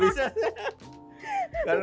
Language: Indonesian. bukan gak bisa sih